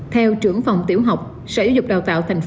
theo trưởng phòng tiểu học sở dục đào tạo tp hcm